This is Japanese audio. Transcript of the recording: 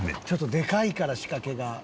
ちょっとでかいから仕掛けが。